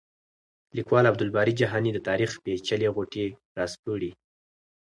لیکوال عبدالباري جهاني د تاریخ پېچلې غوټې راسپړي.